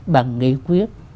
bằng nghị quyết